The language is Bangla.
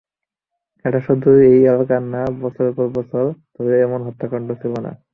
এটা শুধু এই এলাকায় না, বছরের পর বছর ধরে এমন হত্যাকাণ্ড ছিলো না।